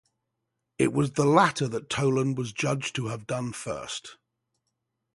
It was the latter that Tolan was judged to have done first.